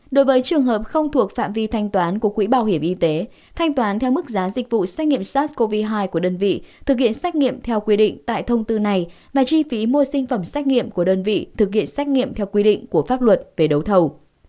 đối với trường hợp không thuộc phạm vi thanh toán của quỹ bảo hiểm y tế thanh toán theo mức giá dịch vụ xét nghiệm sars cov hai của đơn vị thực hiện xét nghiệm theo quy định tại thông tư này và chi phí mua sinh phẩm xét nghiệm của đơn vị thực hiện xét nghiệm theo quy định của pháp luật về đấu thầu